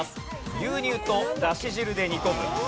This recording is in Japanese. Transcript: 牛乳とだし汁で煮込む。